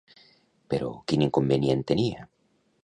Però quin inconvenient tenia?